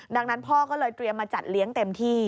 ดังนั้นพ่อก็เลยเตรียมมาจัดเลี้ยงเต็มที่